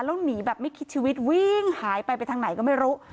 แล้วหนีแบบไม่คิดชีวิตวิ่งหายไปไปทางไหนก็ไม่รู้